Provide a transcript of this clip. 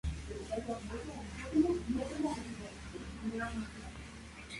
Pertenece al grupo de arbustos ramificados con varias inflorescencias de flores blancas.